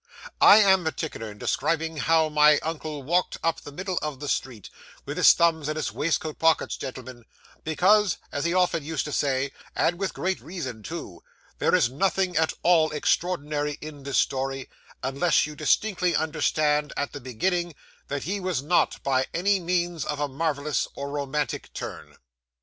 'I am particular in describing how my uncle walked up the middle of the street, with his thumbs in his waistcoat pockets, gentlemen, because, as he often used to say (and with great reason too) there is nothing at all extraordinary in this story, unless you distinctly understand at the beginning, that he was not by any means of a marvellous or romantic turn.